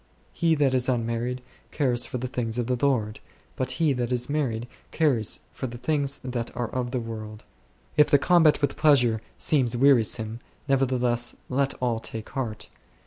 "He that is unmarried careth for the things of the Lord ; but he that is married careth for the things that are of the world s." If the combat with pleasure seems wearisome, nevertheless let all take heart.